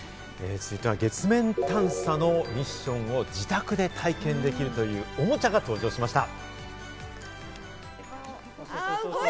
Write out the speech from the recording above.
続いては月面探査のミッションを自宅で体験できるというおもちゃが登場しました。